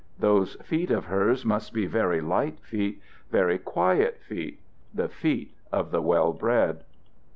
Those feet of hers must be very light feet, very quiet feet, the feet of the well bred.